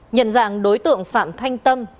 nhận dạng đối tượng phạm thanh tâm